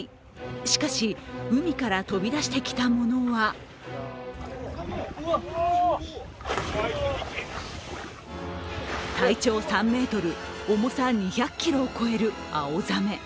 しかし、海から飛び出してきたものは体長３ｍ、重さ２００ｋｇを超えるアオザメ。